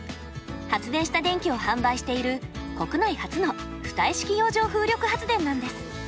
発電した電気を販売している国内初の浮体式洋上風力発電なんです。